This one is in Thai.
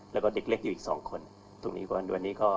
แล้วก็เด็กเล็กอยู่อีกสองคนตรงนี้กว่าอันดัวนี้ก็